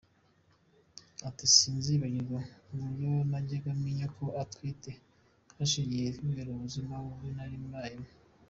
Ati “Sinzibagirwa uburyo najyaga kumenya ko ntwite hashize igihe kubera ubuzima bubi nari mbayemo.